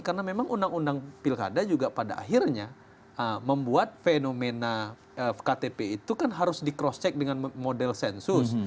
karena memang undang undang pilkada juga pada akhirnya membuat fenomena ktp itu kan harus di cross check dengan model sensus